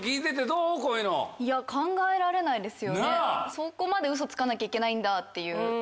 そこまでウソつかなきゃいけないんだっていう。